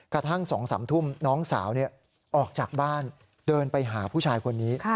กระทั่ง๒๓ทุ่มน้องสาวออกจากบ้านเดินไปหาผู้ชายคนนี้